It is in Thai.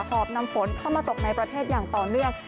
อบนำฝนเข้ามาตกในประเทศอย่างต่อเนื่อง